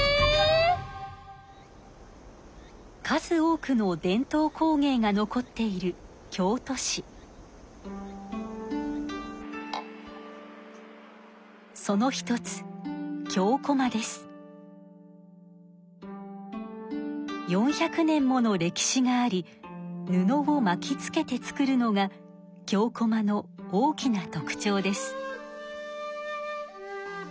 数多くの伝統工芸が残っているその一つ４００年もの歴史があり布をまきつけて作るのが京こまの大きな特ちょうです。